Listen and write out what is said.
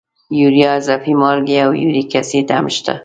یوریا، اضافي مالګې او یوریک اسید هم شته.